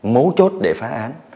mấu chốt để phá án